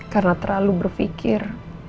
karena terlalu berpikir